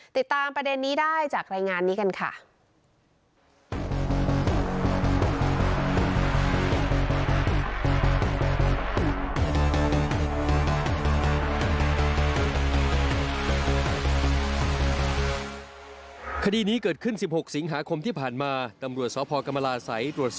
ติดตามประเด็นนี้ได้จากรายงานนี้กันค่ะ